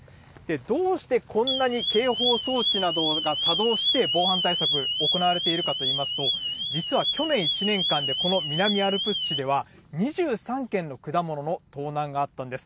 どうしてこんなに警報装置などが作動して防犯対策行われているかといいますと、実は去年１年間で、この南アルプス市では、２３件の果物の盗難があったんです。